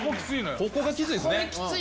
ここがきついですよね。